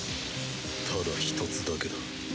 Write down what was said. ただ１つだけだ。